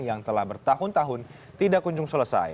yang telah bertahun tahun tidak kunjung selesai